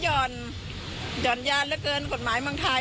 ห่อนยานเหลือเกินกฎหมายเมืองไทย